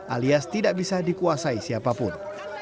alias tidak bisa dikuasai siapapun